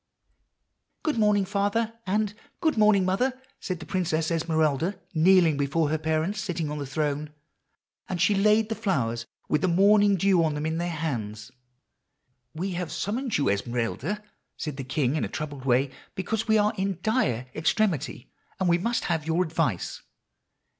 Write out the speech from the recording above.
[Illustration: "In came the Princess Esmeralda."] "'Good morning, father,' and 'Good morning, mother,' said the Princess Esmeralda, kneeling before her parents sitting on the throne; and she laid the flowers, with the morning dew on them, in their hands. "'We have summoned you, Esmeralda,' said the king in a troubled way, 'because we are in dire extremity, and must have your advice.